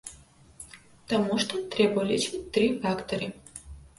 Таму што трэба ўлічваць тры фактары.